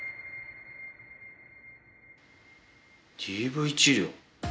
「ＤＶ治療」。